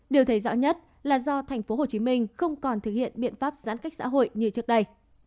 điều thấy rõ nhất là do tp hcm không còn thực hiện biện pháp giãn cách xã hội như trước đây